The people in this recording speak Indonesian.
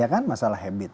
ya kan masalah habit